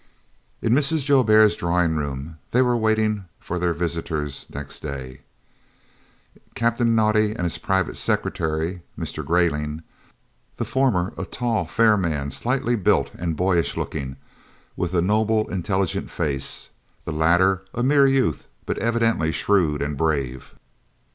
In Mrs. Joubert's drawing room they were waiting for their visitors next day, Captain Naudé and his private secretary, Mr. Greyling the former a tall, fair man, slightly built and boyish looking and with a noble, intelligent face, the latter a mere youth, but evidently shrewd and brave.